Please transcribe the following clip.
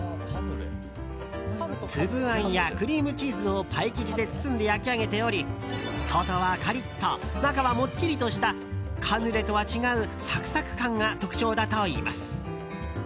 粒あんやクリームチーズをパイ生地で包んで焼き上げており外はカリッと中はもっちりとしたカヌレとは違うサクサク感が特徴だといいます。